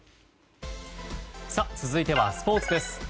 続いては、スポーツです。